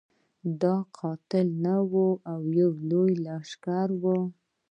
دا قافله نه وه او یو لوی لښکر وو.